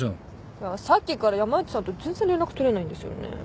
いやさっきから山内さんと全然連絡取れないんですよね。